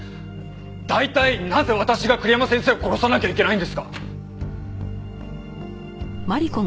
大体なぜ私が栗山先生を殺さなきゃいけないんですか？